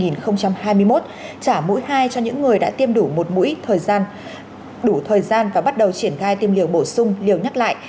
năm hai nghìn hai mươi một trả mũi hai cho những người đã tiêm đủ một mũi thời gian đủ thời gian và bắt đầu triển khai tiêm liều bổ sung liều nhắc lại